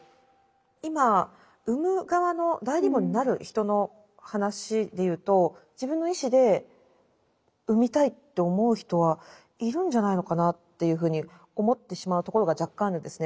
今産む側の代理母になる人の話で言うと自分の意志で産みたいって思う人はいるんじゃないのかなっていうふうに思ってしまうところが若干あるんですね。